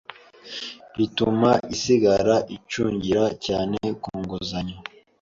bituma isigara icungira cyane ku nguzanyo